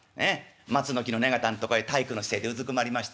松の木の根方んとこへ体育の姿勢でうずくまりましてね